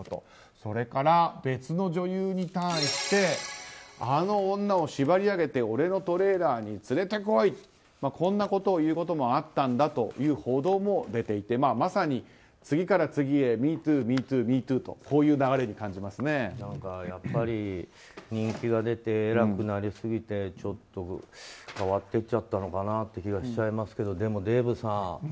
それから、別の女優に対してあの女を縛り上げて俺のトレーラーに連れてこいとこんなことを言うこともあったんだという報道も出ていてまさに次から次へミートゥー、ミートゥーとやっぱり、人気が出て偉くなりすぎてちょっと変わってっちゃったのかなという気もしますがでもデーブさん。